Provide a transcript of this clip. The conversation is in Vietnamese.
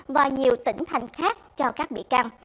và nhiều tỉnh thành khác cho các bị can